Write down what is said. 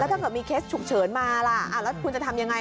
ถ้าเกิดมีเคสฉุกเฉินมาล่ะแล้วคุณจะทำยังไง